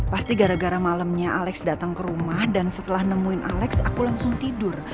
pasti gara gara malamnya alex datang ke rumah dan setelah nemuin alex aku langsung tidur